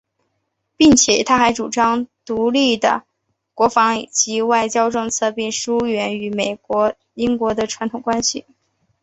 并且他还主张独立的国防及外交政策并疏远与英国的传统关系。